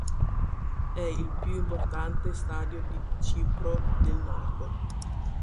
È il più importante stadio di Cipro del Nord.